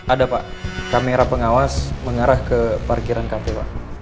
ada pak kamera pengawas mengarah ke parkiran kpu pak